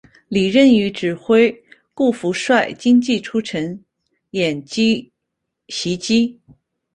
李任与指挥顾福帅精骑出城掩击袭击。